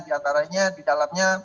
di antaranya di dalamnya